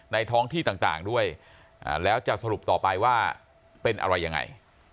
ท้องที่ต่างด้วยแล้วจะสรุปต่อไปว่าเป็นอะไรยังไง